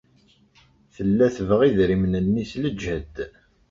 Tella tebɣa idrimen-nni s leǧhed.